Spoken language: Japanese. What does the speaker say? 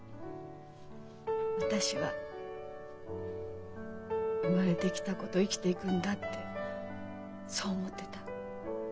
「私は生まれてきた子と生きていくんだ」ってそう思ってた。